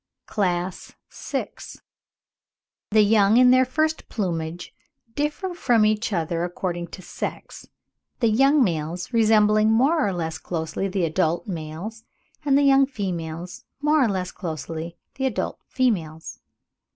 CLASS VI. — THE YOUNG IN THEIR FIRST PLUMAGE DIFFER FROM EACH OTHER ACCORDING TO SEX; THE YOUNG MALES RESEMBLING MORE OR LESS CLOSELY THE ADULT MALES, AND THE YOUNG FEMALES MORE OR LESS CLOSELY THE ADULT FEMALES.